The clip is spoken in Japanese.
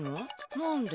何で？